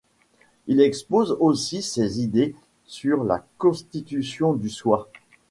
Il expose aussi ses idées sur la constitution du Soi.